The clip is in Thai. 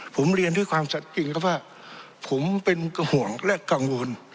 ผมเรียนด้วยความสัดจริงครับว่าผมเป็นห่วงและกังวล